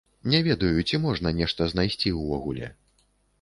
Не ведаю, ці можна нешта знайсці ўвогуле.